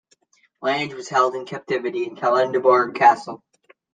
Lange was held in captivity in Kalundborg castle.